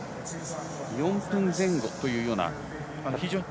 ４分前後というような。